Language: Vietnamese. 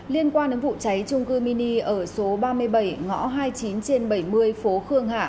liên quan đến vụ cháy trung cư mini ở số ba mươi bảy ngõ hai mươi chín trên bảy mươi phố khương hạ